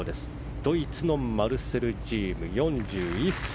ドイツのマルセル・ジーム４１歳。